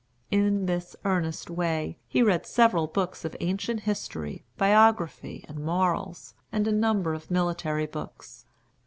In this earnest way he read several books of ancient history, biography, and morals, and a number of military books.